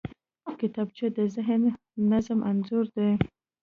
کتابچه د ذهني نظم انځور دی